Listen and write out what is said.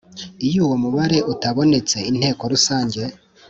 Iyo uwo mubare utabonetse Inteko Rusange